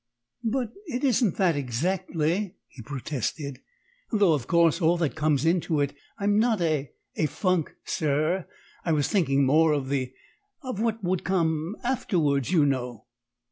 "But it isn't that exactly," he protested; "though of course all that comes into it. I'm not a a funk, sir! I was thinking more of the of what would come afterwards, you know."